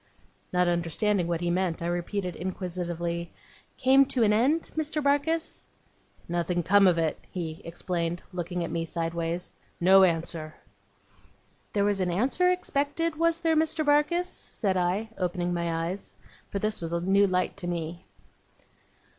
Not understanding what he meant, I repeated inquisitively: 'Came to an end, Mr. Barkis?' 'Nothing come of it,' he explained, looking at me sideways. 'No answer.' 'There was an answer expected, was there, Mr. Barkis?' said I, opening my eyes. For this was a new light to me.